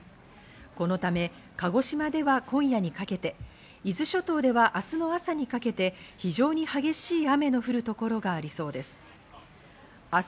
このため鹿児島では今夜にかけて伊豆諸島では明日の朝にかけて非常に激しい雨の降る所がありそうです。